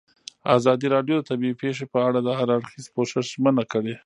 ازادي راډیو د طبیعي پېښې په اړه د هر اړخیز پوښښ ژمنه کړې.